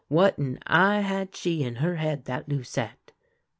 what an eye had she in her head, that Lucette